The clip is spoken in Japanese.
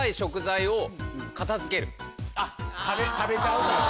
あっ食べちゃうから。